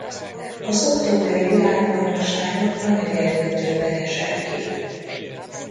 Az októberi világbajnokságon a negyeddöntőben esett ki.